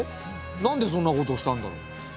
なんでそんなことしたんだろう？